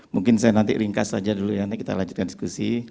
mungkin saya nanti ringkas saja dulu ya nanti kita lanjutkan diskusi